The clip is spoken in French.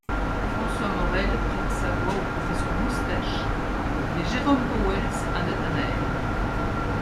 François Morel prête sa voix au Professeur Moustache, et Jérôme Pauwels à Nathanaël.